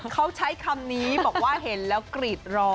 เขาใช้คำนี้บอกว่าเห็นแล้วกรีดรอ